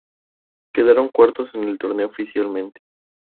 Quedaron cuartos en el torneo oficialmente.